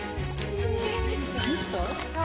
そう。